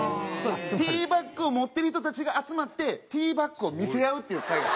Ｔバックを持ってる人たちが集まってＴバックを見せ合うっていう会。